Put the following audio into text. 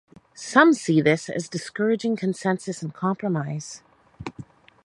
Some see this as discouraging consensus and compromise.